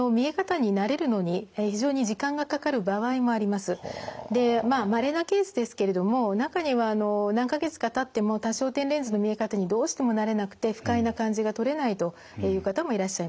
ですけれどもいいところばかりではなくてでまあまれなケースですけれども中には何か月かたっても多焦点レンズの見え方にどうしても慣れなくて不快な感じが取れないという方もいらっしゃいます。